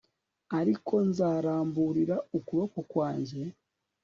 ariko nzaramburira ukuboko kwanjye